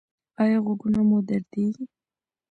ایا غوږونه مو دردیږي؟